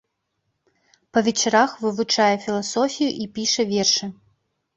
Па вечарах вывучае філасофію і піша вершы.